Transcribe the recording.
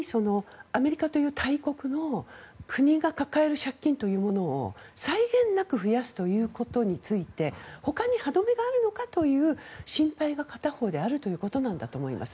アメリカという大国の国が抱える借金というものを際限なく増やすということについてほかに歯止めがあるのかという心配が片方であるということなんだと思います。